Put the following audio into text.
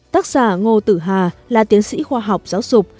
tác giả ngô tử hà là tiến sĩ khoa học giáo dục